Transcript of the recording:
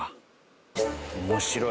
面白い。